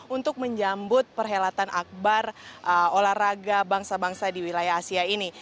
untuk menyambut perhelatan akbar olahraga bangsa bangsa di wilayah asia ini